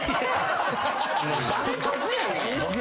誰得やねん。